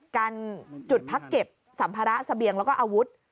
กันจุดพักเก็บสัมภาระเสบียงแล้วก็อาวุธ